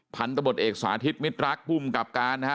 พันธบทเอกสาธิตมิตรรักภูมิกับการนะฮะ